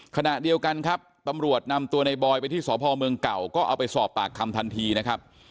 ขณะเดียวกันครับตำรวจนำตัวในบอยไปที่สพเมืองเก่าก็เอาไปสอบปากคำทันทีนะครับ